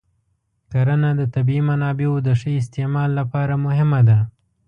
کرنه د طبیعي منابعو د ښه استعمال لپاره مهمه ده.